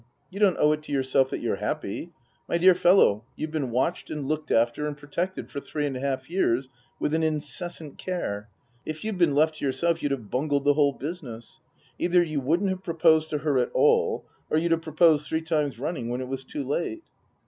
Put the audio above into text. You don't owe it to yourself that you're happy. My dear fellow, you've been watched, and looked after, and protected for three and a half years with an incessant care. If you'd been left to yourself you'd have bungled the whole business. Either you wouldn't have proposed to her at all, or you'd have pro posed three times running when it was too late."